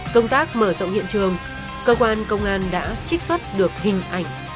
công tác mở rộng hiện trường cơ quan công an đã trích xuất được hình ảnh